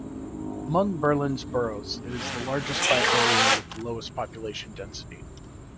Among Berlin's boroughs it is the largest by area with the lowest population density.